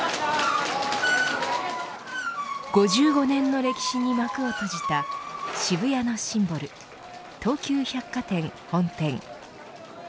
５５年の歴史に幕を閉じた渋谷のシンボル東急百貨店本店。